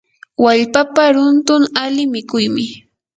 wallpapa runtun ali mikuymi.